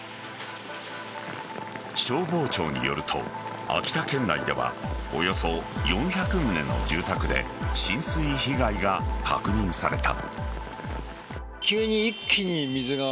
消防庁によると、秋田県内ではおよそ４００棟の住宅で浸水被害が確認された。